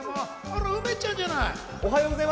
梅ちゃんじゃない。